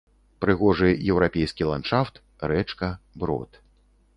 Прыгожы еўрапейскі ландшафт, рэчка, брод.